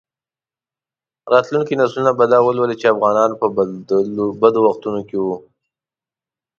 راتلونکي نسلونه به دا ولولي چې افغانانو په بدو وختونو کې.